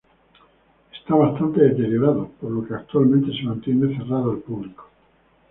Está bastante deteriorado, por lo que actualmente se mantiene cerrado al público.